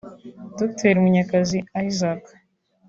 Dr Munyakazi Isaac